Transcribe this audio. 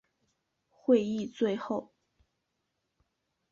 会议最后